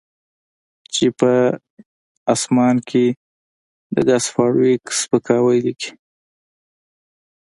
چې په اسمان کې د ګس فارویک سپکاوی لیکي